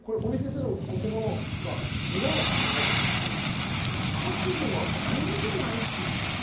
尾身先生の言葉の裏を考えたときに、覚悟がないんじゃないっていう。